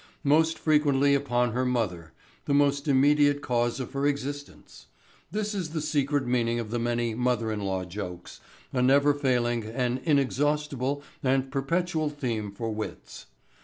Most frequently upon her mother, the most immediate cause of her existence. This is the secret meaning of the many mother in law jokes, a never failing and inexhaustible and perpetual theme for wits.